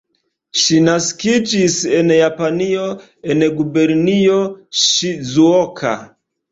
Ŝi naskiĝis en Japanio, en Gubernio Ŝizuoka.